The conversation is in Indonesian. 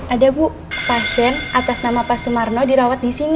ada bu pasien atas nama pak sumarno dirawat di sini